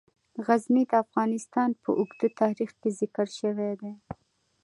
غزني د افغانستان په اوږده تاریخ کې ذکر شوی دی.